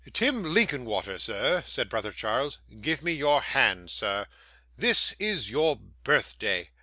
'Tim Linkinwater, sir,' said brother Charles; 'give me your hand, sir. This is your birthday.